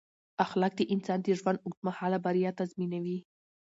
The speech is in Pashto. اخلاق د انسان د ژوند اوږد مهاله بریا تضمینوي.